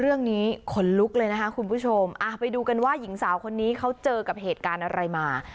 ขนลุกเลยนะคะคุณผู้ชมไปดูกันว่าหญิงสาวคนนี้เขาเจอกับเหตุการณ์อะไรมา